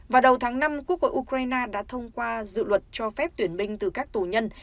vào đầu tháng năm quốc hội ukraine đã thông qua dự luật cho phép tuyển binh từ các tù nhân